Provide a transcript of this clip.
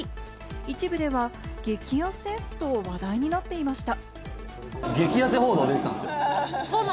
一部では激やせ？と話題になっていました。